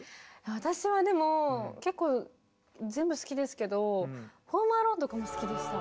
私はでも結構全部好きですけど「ホーム・アローン」とかも好きでした。